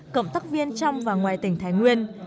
cộng tác viên trong và ngoài tỉnh thái nguyên